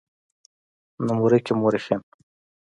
نومورکي مؤرخين